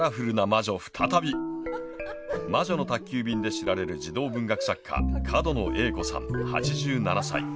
「魔女の宅急便」で知られる児童文学作家角野栄子さん、８７歳。